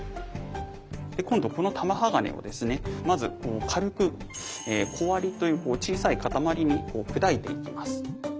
今度この玉鋼をですねまず軽く小割りという小さい塊に砕いていきます。